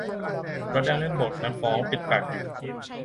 รัฐยังเล่นบทนักฟ้องปิดปากอยู่